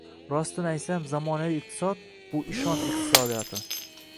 Rostini aytsam, zamonaviy iqtisod - bu ishonch iqtisodiyoti